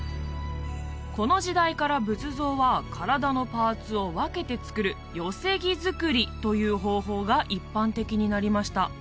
この時代から仏像は体のパーツを分けて造る寄木造りという方法が一般的になりました